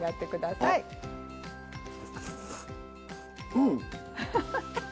うん！